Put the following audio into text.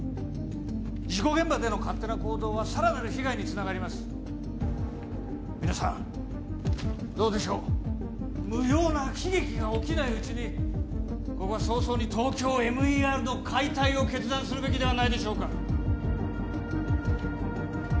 事故現場での勝手な行動はさらなる被害につながります皆さんどうでしょう無用な悲劇が起きないうちにここは早々にＴＯＫＹＯＭＥＲの解体を決断するべきではないでしょうか